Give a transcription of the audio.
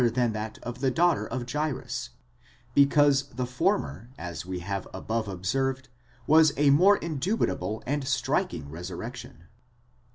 401 than that of the daughter of Jairus, because the former, as we have above observed, was a more indubitable and striking resurrection.